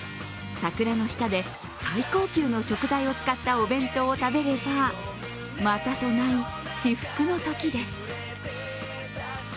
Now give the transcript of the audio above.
桜の下で最高級の食材を使ったお弁当を食べればまたとない至福の時です。